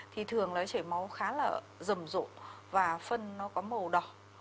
thì thường là chảy máu khá là rầm rộ và phân nó có màu đỏ